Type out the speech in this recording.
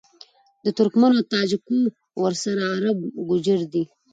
د ترکمــــنــــــو، د تاجـــــــــکــــو، ورســـــره عــــرب گـــوجـــر دي